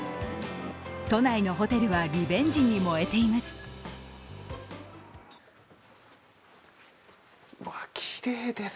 都内のホテルはリベンジに燃えています。